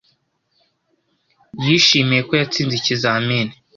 Yishimiye ko yatsinze ikizamini.